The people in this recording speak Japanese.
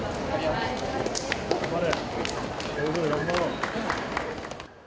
頑張れ！